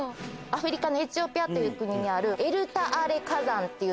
アフリカのエチオピアという国にある。